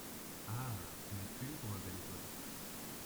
Ah ! vous n'êtes plus libre, ma belle étoile.